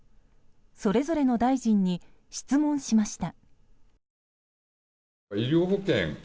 それぞれの大臣に質問しました。